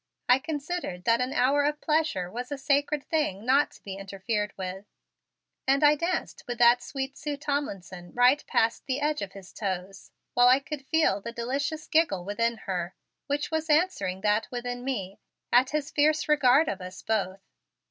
I considered that an hour of pleasure was a sacred thing not to be interfered with, and I danced with that sweet Sue Tomlinson right past the edge of his toes while I could feel the delicious giggle within her, which was answering that within me, at his fierce regard of us both.